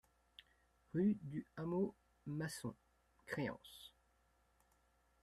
Rue du Hameau Maçon, Créances